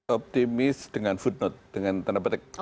optimis dengan footnote dengan tanda petik